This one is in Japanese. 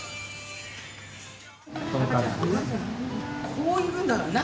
こういくんだからな。